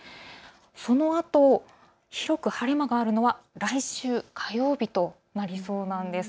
そのあと、広く晴れ間があるのは来週火曜日となりそうなんです。